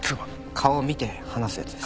顔見て話すやつです。